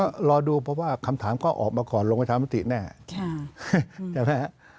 ก็รอดูเพราะว่าคำถามก็ออกมาก่อนลงประชามติแน่ใช่ไหมฮะ